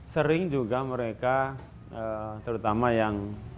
sering juga mereka terutama yang